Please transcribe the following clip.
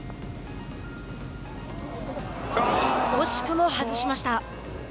惜しくも外しました。